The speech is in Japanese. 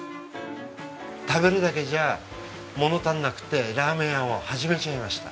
食べるだけじゃ物足りなくてらーめん屋を始めちゃいました。